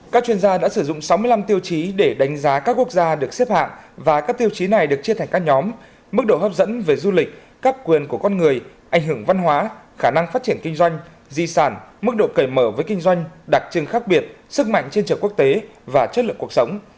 các tiêu chí này được chia thành các nhóm mức độ hấp dẫn về du lịch các quyền của con người ảnh hưởng văn hóa khả năng phát triển kinh doanh di sản mức độ cởi mở với kinh doanh đặc trưng khác biệt sức mạnh trên trường quốc tế và chất lượng cuộc sống